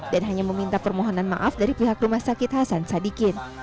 dan hanya meminta permohonan maaf dari pihak rumah sakit hasan sadikin